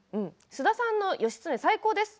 菅田さんの義経、最高です。